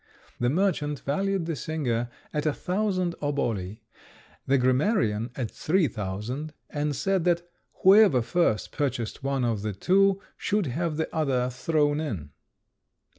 The merchant valued the singer at a thousand oboli, the grammarian at three thousand, and said that whoever first purchased one of the two should have the other thrown in.